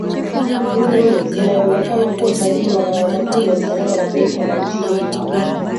Nournews inayoonekana kuwa karibu na baraza kuu la usalama la taifa la nchi hiyo